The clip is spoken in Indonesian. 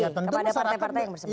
ya tentu masyarakat